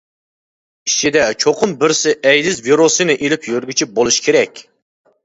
ئىچىدە چوقۇم بىرسى ئەيدىز ۋىرۇسىنى ئېلىپ يۈرگۈچى بولۇشى كېرەك.